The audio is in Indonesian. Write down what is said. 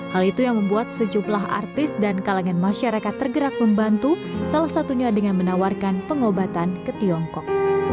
hal itu yang membuat sejumlah artis dan kalangan masyarakat tergerak membantu salah satunya dengan menawarkan pengobatan ke tiongkok